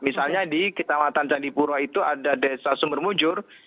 misalnya di kecamatan candipuro itu ada desa sumbermujur